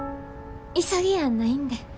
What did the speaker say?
急ぎやないんで。